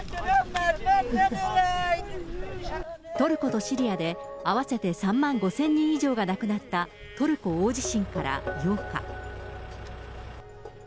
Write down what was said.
トルコとシリアで合わせて３万５０００人以上が亡くなったトルコ大地震から８日。